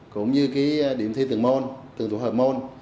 cũng như cái điểm thi từng môn từng thủ hợp môn